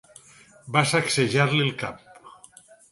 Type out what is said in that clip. Va sacsejar-li el cap.